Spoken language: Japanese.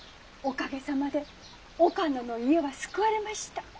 おかげさまで岡野の家は救われました。